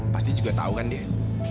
pasti juga tahu kan dia